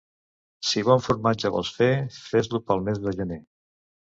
Si bon formatge vols fer, fes-lo pel mes de gener.